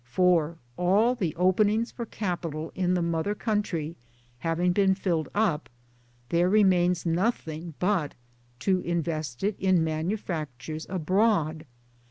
For all the openings for capital in the mother country having been filled up there remains nothing but to invest it in manufactures abroad.